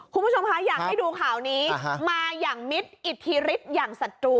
คุณผู้ชมคะอยากให้ดูข่าวนี้มาอย่างมิดอิทธิฤทธิ์อย่างศัตรู